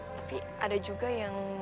tapi ada juga yang